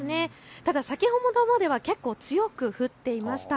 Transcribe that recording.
ただ、先ほどまでは結構強く降っていました。